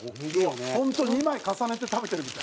本当２枚重ねて食べてるみたい。